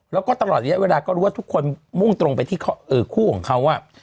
แล้วก็ตลอดระยะเวลาก็รู้ว่าทุกคนมุ่งตรงไปที่คู่ของเขา